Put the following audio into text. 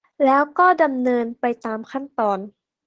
แล้วก็ดำเนินการไปตามขั้นตอน